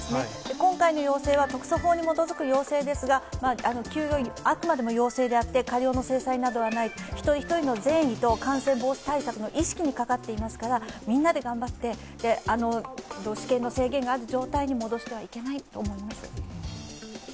今回の要請は特措法に基づくものであくまでも要請で過料などはない、一人一人の善意と感染防止対策にかかっていますからみんなで頑張って、私権の制限がある状況に戻ってはいけないと思います。